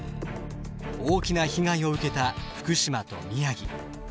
大きな被害を受けた福島と宮城。